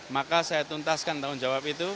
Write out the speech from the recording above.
maka saya tuntaskan tanggung jawab itu